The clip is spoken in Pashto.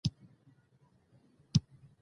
هوا د کرنې لپاره مهم رول لري